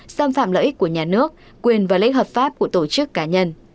xâm phạm lợi ích của nhà nước quyền và lấy hợp pháp của tổ chức cá nhân